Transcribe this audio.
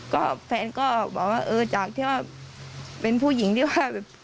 ก็แฟนก็บอกว่าเออจากที่ว่าเป็นผู้หญิงที่ว่าแบบ